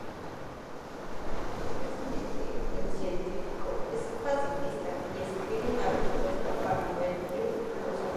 Curiosamente, el científico es pacifista y escribe una respuesta para advertir los humanos.